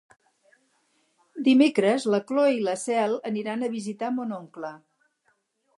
Dimecres na Cloè i na Cel iran a visitar mon oncle.